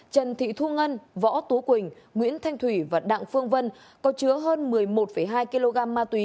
trần thị thu ngân võ tú quỳnh nguyễn thanh thủy và đặng phương vân có chứa hơn một mươi một hai kg ma túy